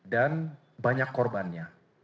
dan banyak korbannya